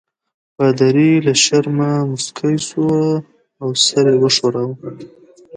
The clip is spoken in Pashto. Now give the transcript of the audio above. پادري له شرمه مسکی شو او سر یې وښوراوه.